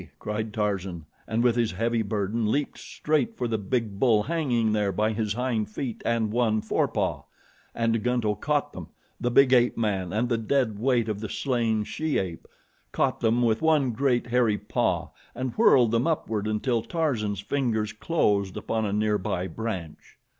cried Tarzan, and with his heavy burden leaped straight for the big bull hanging there by his hind feet and one forepaw. And Gunto caught them the big ape man and the dead weight of the slain she ape caught them with one great, hairy paw and whirled them upward until Tarzan's fingers closed upon a near by branch.